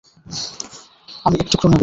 আমি এক টুকরো নেবো।